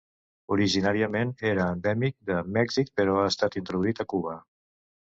Originàriament era endèmic de Mèxic, però ha estat introduït a Cuba.